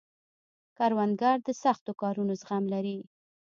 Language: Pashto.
کروندګر د سختو کارونو زغم لري